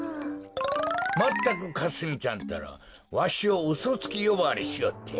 まったくかすみちゃんったらわしをうそつきよばわりしおって。